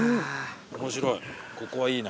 面白い。